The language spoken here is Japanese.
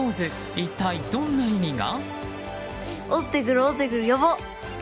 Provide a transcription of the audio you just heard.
一体、どんな意味が。